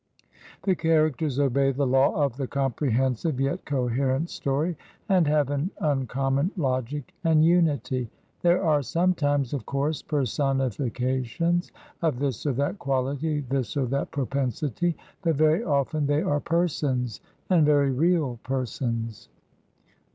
The characters obey the law of the comprehensive yet coherent story, and have an uncommon logic and unity. They are sometimes, of course, personifications of this or that quality, this or that propensity; but very often they are persons, and very real persons.